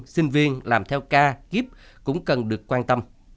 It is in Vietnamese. sinh viên làm theo ca kíp cũng cần được quan tâm